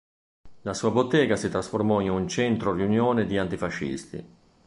La sua bottega si trasformò in centro riunione di antifascisti.